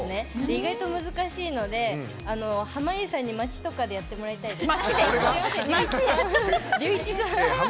意外と難しいので濱家さんに、街とかでやってもらいたいです。